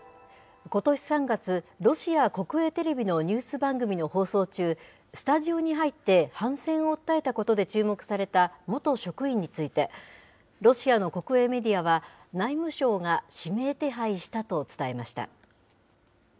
ことし３月、ロシア国営テレビのニュース番組の放送中、スタジオに入って反戦を訴えたことで注目された元職員について、ロシアの国営メディアは、内務省が指名手配したと伝えました。